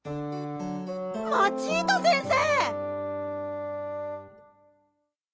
マチータ先生！